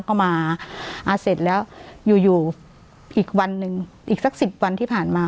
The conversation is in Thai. ก็มาอ่าเสร็จแล้วอยู่อยู่อีกวันหนึ่งอีกสักสิบวันที่ผ่านมา